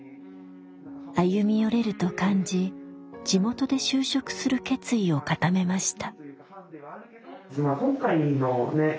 歩み寄れると感じ地元で就職する決意を固めました。